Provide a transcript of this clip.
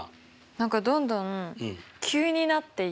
何かどんどん急になっていった。